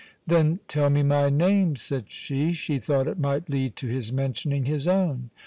"Then tell me my name," said she; she thought it might lead to his mentioning his own.